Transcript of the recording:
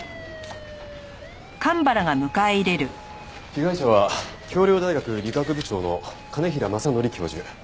被害者は京陵大学理工学部長の兼平政則教授。